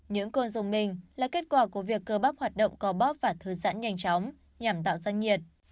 những con dùng mình là kết quả của việc cơ bắp hoạt động co bop và thư giãn nhanh chóng nhằm tạo ra nhiệt